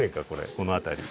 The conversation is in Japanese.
この辺り。